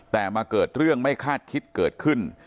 แต่มาเกิดเรื่องไม่คาดคิดเกิดขึ้น